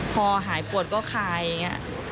พอหายปวดก็คายอย่างนี้